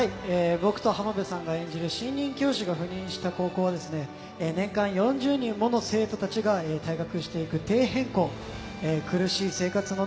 僕と浜辺さんが演じる新任教師が赴任した高校は年間４０人もの生徒がハァハァハァ。